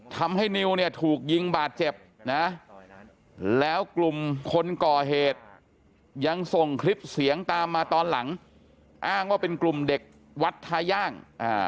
ทำให้นิวเนี่ยถูกยิงบาดเจ็บนะแล้วกลุ่มคนก่อเหตุยังส่งคลิปเสียงตามมาตอนหลังอ้างว่าเป็นกลุ่มเด็กวัดท้าย่าง